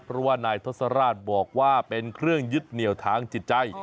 เพราะว่านายทศราชบอกว่าเป็นเครื่องยึดเหนียวทางจิตใจ